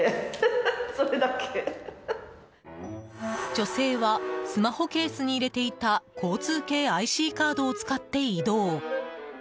女性はスマホケースに入れていた交通系ＩＣカードを使って移動。